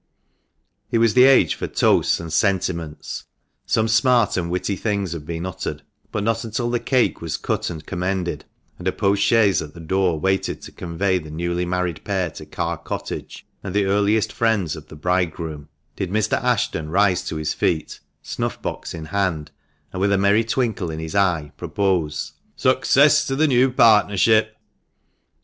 It was the age for toasts and sentiments. Some smart and witty things had been uttered, but not until the cake was cut and commended, and a post chaise at the door waited to convey the newly married pair to Carr Cottage and the earliest friends of the bridegroom, did Mr. Ashton rise to his feet, snuff box in hand, and, with a merry twinkle in his eye, propose —" Success to the new partnership